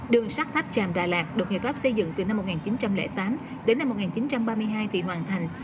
đường sắt tháp tràm đà lạt được người pháp xây dựng từ năm một nghìn chín trăm linh tám đến năm một nghìn chín trăm ba mươi hai thì hoàn thành